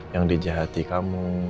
yang dijahati kamu